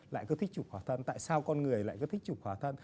lại cứ thích chụp khỏa thân tại sao con người lại cứ thích chụp khỏa thân